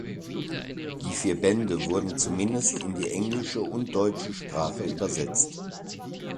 Die vier Bände wurden zumindest in die englische und deutsche Sprache übersetzt.